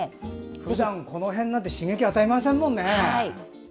ふだん、この辺なんて刺激与えませんもんね。